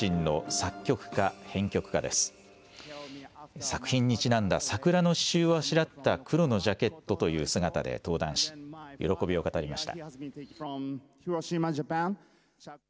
作品にちなんだ桜の刺しゅうをあしらった黒のジャケットという姿で登壇し、喜びを語りました。